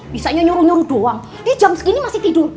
bisanya nyuruh nyuruh doang ini jam segini masih tidur